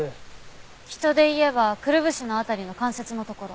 人で言えばくるぶしの辺りの関節のところ。